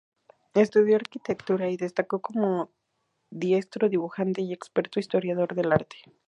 Estudió Arquitectura y destacó como diestro dibujante y experto historiador del arte.